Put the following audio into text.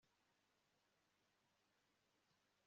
kubera kutumvira imana na bantu